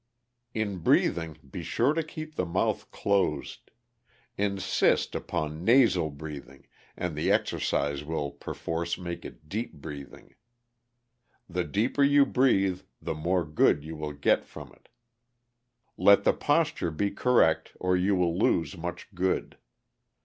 In breathing be sure to keep the mouth closed. Insist upon nasal breathing, and the exercise will perforce make it deep breathing. The deeper you breathe the more good you will get from it. Let the posture be correct or you will lose much good.